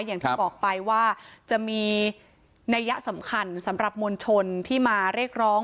อย่างที่บอกไปว่าจะมีนัยสำคัญสำหรับมวลชนที่มาเรียกร้อง